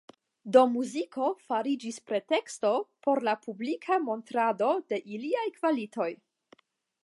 Do muziko fariĝis preteksto por la publika montrado de iliaj kvalitoj.